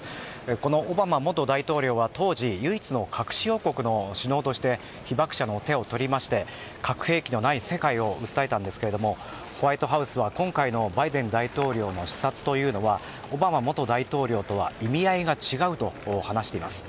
このオバマ元大統領は当時唯一の核使用国の首脳として被爆者の手を取りまして核兵器のない世界を訴えたんですがホワイトハウスは今回のバイデン大統領の視察はオバマ元大統領とは意味合いが違うと話しています。